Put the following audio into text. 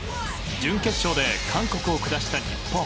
準決勝で韓国を下した日本。